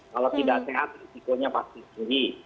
kalau tidak sehat risikonya pasti tinggi